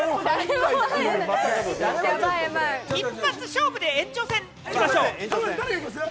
一発勝負で延長戦行きましょう。